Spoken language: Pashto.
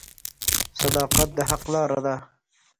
• صداقت د حق لاره ده.